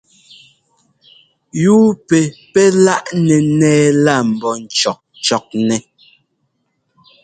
Yúu pɛ pɛ́ láꞌnɛ ńnɛ́ɛ lá ḿbɔ́ ńcɔ́kcɔknɛ́.